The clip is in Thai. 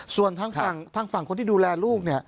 ส่วนทางฝั่งคนที่ดูแลลูก